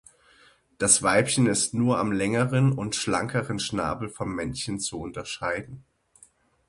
Das Weibchen ist nur am längeren und schlankeren Schnabel vom Männchen zu unterscheiden.